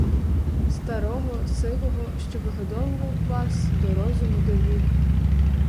Старого, сивого, що вигодував вас, до розуму довів!